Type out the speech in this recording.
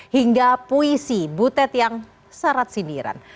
hingga puisi butet yang syarat sindiran